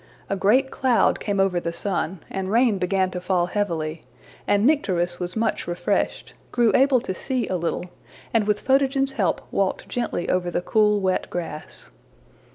A great cloud came over the sun, and rain began to fall heavily, and Nycteris was much refreshed, grew able to see a little, and with Photogen's help walked gently over the cool wet grass.